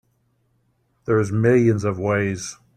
There's millions of ways.